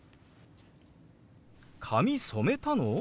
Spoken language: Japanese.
「髪染めたの？